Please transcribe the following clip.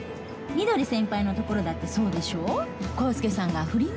翠先輩のところだってそうでしょ？